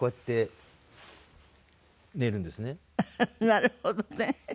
なるほどね。